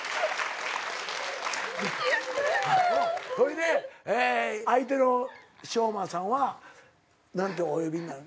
ほいで相手の昌磨さんは何とお呼びになる？